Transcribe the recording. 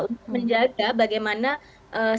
untuk menjaga bagaimana sistem merit